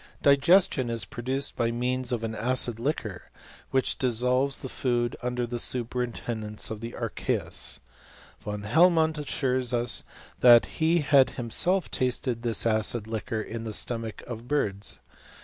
Digestion is produced by means of an acid liquor, which dissolves the food, under the superintendence ci the archeus. Van Helmont assures us that he had himself tasted this acid liquor in the stomach of birds.